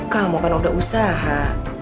kamu kan udah usaha